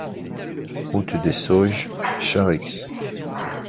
Route des Sauges, Charix